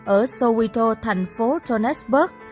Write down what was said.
ở soweto thành phố johannesburg